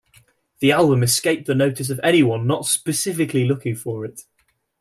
The album escaped the notice of anyone not specifically looking for it.